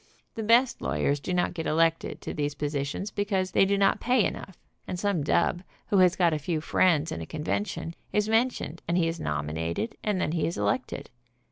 The best lawyers do not get elected to these positions because they do not pay enough, and some dub, who has got a few friends in a convention, is THE DAKOTA DISTRICT ATTORNEY 45 mentioned, and he is nominated, and then he is elected.